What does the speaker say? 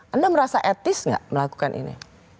anda merasa etis nggak melakukan ini